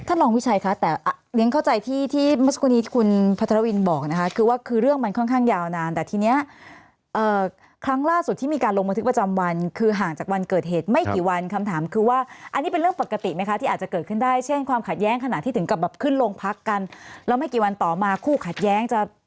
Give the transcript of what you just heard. รองวิชัยคะแต่เรียนเข้าใจที่ที่เมื่อสักครู่นี้คุณพัทรวินบอกนะคะคือว่าคือเรื่องมันค่อนข้างยาวนานแต่ทีนี้ครั้งล่าสุดที่มีการลงบันทึกประจำวันคือห่างจากวันเกิดเหตุไม่กี่วันคำถามคือว่าอันนี้เป็นเรื่องปกติไหมคะที่อาจจะเกิดขึ้นได้เช่นความขัดแย้งขณะที่ถึงกับแบบขึ้นลงพักกันแล้วไม่กี่วันต่อมาคู่ขัดแย้งจะ